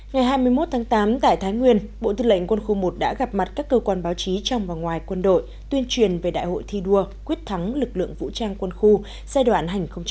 ngày hai mươi một tháng tám tại thái nguyên bộ tư lệnh quân khu một đã gặp mặt các cơ quan báo chí trong và ngoài quân đội tuyên truyền về đại hội thi đua quyết thắng lực lượng vũ trang quân khu giai đoạn hai nghìn một mươi năm hai nghìn một mươi tám